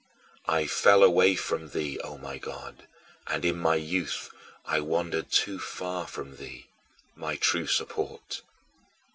I fell away from thee, O my God, and in my youth I wandered too far from thee, my true support.